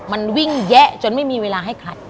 มันวิ่งแยะจนไม่มีเวลาให้ขัด